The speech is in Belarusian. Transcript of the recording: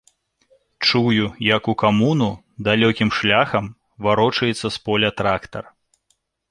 Чую, як у камуну далёкім шляхам варочаецца з поля трактар.